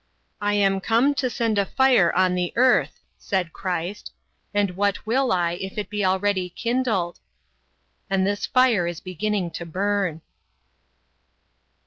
"I am come to send a fire on the earth," said Christ, "and what will I, if it be already kindled?" And this fire is beginning to burn.